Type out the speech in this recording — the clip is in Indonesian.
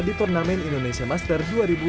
di turnamen indonesia master dua ribu dua puluh